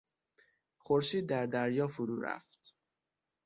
خورشید در دریا فرو رفت.